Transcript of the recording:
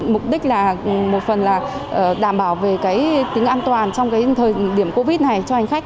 mục đích là một phần là đảm bảo về tính an toàn trong thời điểm covid này cho hành khách